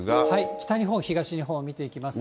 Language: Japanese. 北日本、東日本見ていきますが。